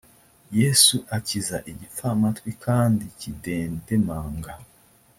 yesu akiza igipfamatwi kandi kidedemanga